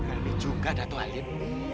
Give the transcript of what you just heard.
ini juga datuk alem